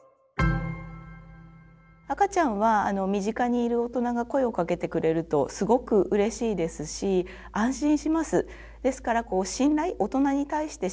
赤ちゃんは身近にいる大人が声をかけてくれるとすごくうれしいですし安心します。